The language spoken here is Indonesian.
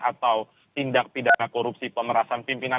atau tindak pidana korupsi pemerasan pimpinan